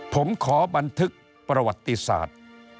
ผมขอบันทึกประวัติศาสตร์